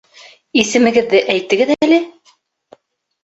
Исемегеҙҙе әйтегеҙ әле?